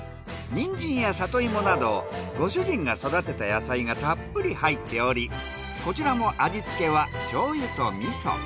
ニンジンやさといもなどご主人が育てた野菜がたっぷり入っておりこちらも味付けは醤油と味噌。